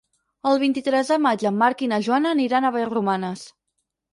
El vint-i-tres de maig en Marc i na Joana aniran a Vallromanes.